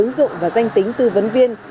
ứng dụng và danh tính tư vấn viên